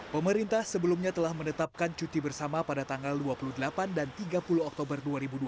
pemerintah sebelumnya telah menetapkan cuti bersama pada tanggal dua puluh delapan dan tiga puluh oktober dua ribu dua puluh